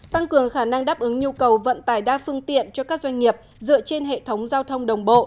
tăng cường khả năng đáp ứng nhu cầu vận tải đa phương tiện cho các doanh nghiệp dựa trên hệ thống giao thông đồng bộ